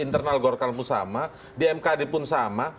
karena algorikal pun sama dmkd pun sama